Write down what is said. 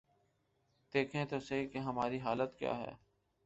دیکھیں تو سہی کہ ہماری حالت کیا ہے۔